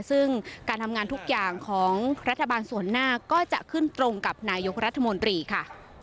ซึ่งการทำงานทุกอย่างของรัฐบาลส่วนหน้าก็จะขึ้นตรงกับนายกรัฐมนตรีค่ะ